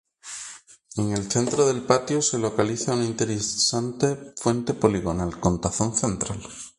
En el centro del patio se localiza una interesante fuente poligonal, con tazón central.